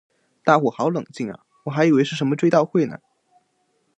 大伙好冷静啊我还以为是什么追悼会呢